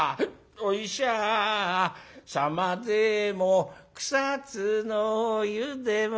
「お医者様でも草津の湯でも」